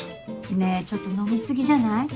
ねぇちょっと飲み過ぎじゃない？